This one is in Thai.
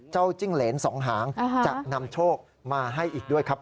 จิ้งเหรนสองหางจะนำโชคมาให้อีกด้วยครับ